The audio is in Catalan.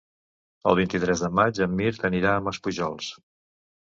El vint-i-tres de maig en Mirt anirà a Maspujols.